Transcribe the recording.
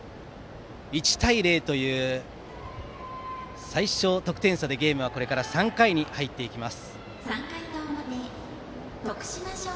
１対０という最小得点差でゲームはこれから３回に入っていきます。